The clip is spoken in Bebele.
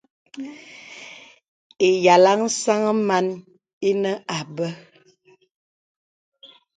Ìyàlaŋ sàŋ màn ìnə àbə̀.